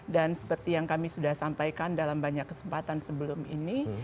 dan seperti yang kami sudah sampaikan dalam banyak kesempatan sebelum ini